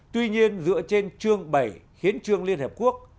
tuy nhiên dựa trên chương bảy khiến chương liên hợp quốc